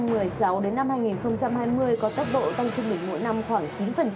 giai đoạn từ năm hai nghìn một mươi sáu đến năm hai nghìn hai mươi có tốc độ tăng trung bình mỗi năm khoảng chín